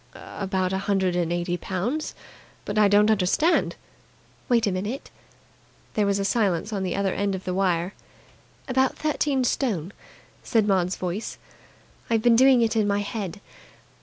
"About a hundred and eighty pounds. But I don't understand." "Wait a minute." There was a silence at the other end of the wire. "About thirteen stone," said Maud's voice. "I've been doing it in my head.